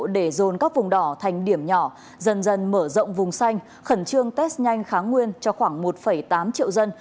để dồn các vùng đỏ thành điểm nhỏ dần dần mở rộng vùng xanh khẩn trương test nhanh kháng nguyên cho khoảng một tám triệu dân